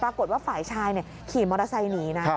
ปรากฏว่าฝ่ายชายขี่มอเตอร์ไซค์หนีนะ